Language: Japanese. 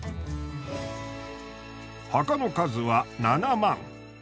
墓の数は７万。